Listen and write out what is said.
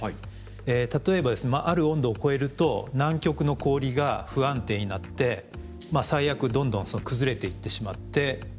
例えばある温度を超えると南極の氷が不安定になって最悪どんどん崩れていってしまって海面上昇が加速するとか。